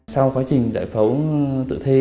sau quá trình giải phóng tự thi